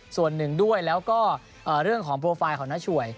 ส่วนหนึ่งด้วยแล้วก็เรื่องของโปรไฟล์ของน้าช่วย